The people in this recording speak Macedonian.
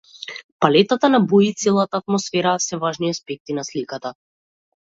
Палетата на бои и целата атмосфера се важни аспекти на сликата.